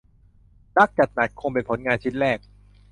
รักจัดหนักคงเป็นผลงานชิ้นแรก